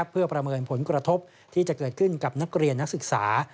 เพื่อประเมินผลกระทบที่จะเกิดขึ้นกับนักเรียนนักศึกษา